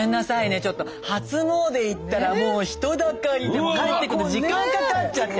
ちょっと初詣行ったらもう人だかりで帰ってくるの時間かかっちゃって。